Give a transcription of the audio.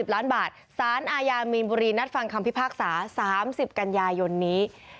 ล้านบาทสารอาญามีนบุรีนัดฟังคำพิพากษา๓๐กันยายนนี้